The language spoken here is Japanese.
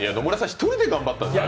一人で頑張ったんですよ。